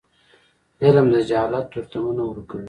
علم د جهالت تورتمونه ورکوي.